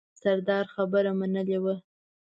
سردار خبره منلې وه.